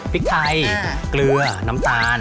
พริกไทยเกลือน้ำตาล